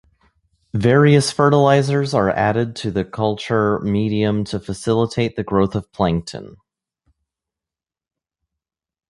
Various fertilizers are added to the culture medium to facilitate the growth of plankton.